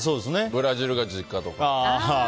ブラジルが実家とか。